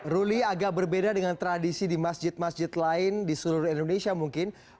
ruli agak berbeda dengan tradisi di masjid masjid lain di seluruh indonesia mungkin